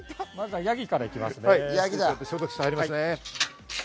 ヤギから行きますね。